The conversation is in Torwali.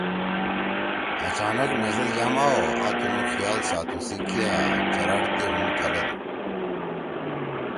آچانک مھزید یام آو آ تُنُو خیأل ساتو سی کیأ چراڈتے ہوم تھلَدو